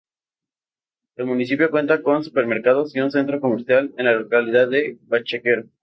El municipio cuenta con supermercados y un centro comercial en la localidad de Bachaquero.